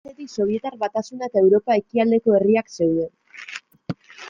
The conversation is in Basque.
Alde batetik Sobietar Batasuna eta Europa ekialdeko herriak zeuden.